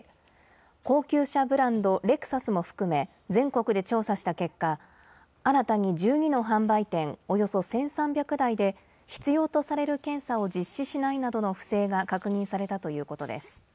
高級車ブランド、レクサスも含め、全国で調査した結果、新たに１２の販売店およそ１３００台で、必要とされる検査を実施しないなどの不正が確認されたということです。